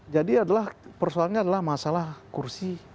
jadi adalah persoalannya adalah masalah kursi